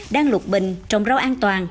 đăng luộc bình trồng rau an toàn